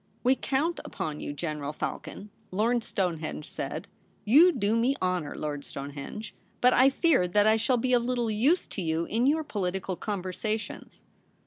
' We count upon you, General Falcon,' Lord Stonehenge said. * You do me honour, Lord Stonehenge ; but I fear that I shall be of little use to you in your political conversations.'